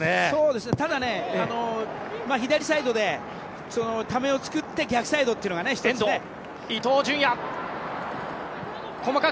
そうですね、ただね左サイドでためを作って逆サイドというのが１つね。